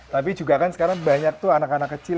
tapi juga kan sekarang banyak tuh anak anak kecil